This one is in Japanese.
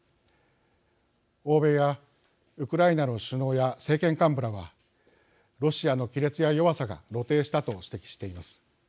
欧米やウクライナの首脳や政権幹部らはロシアの亀裂や弱さが露呈したと指摘しています。